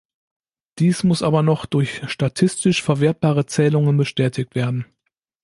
Dies muss aber noch durch statistisch verwertbare Zählungen bestätigt werden.